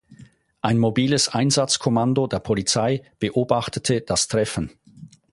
Ein Mobiles Einsatzkommando der Polizei beobachtete das Treffen.